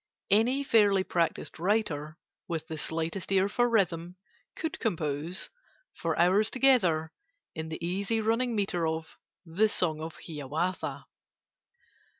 Any fairly practised writer, with the slightest ear for rhythm, could compose, for hours together, in the easy running metre of 'The Song of Hiawatha.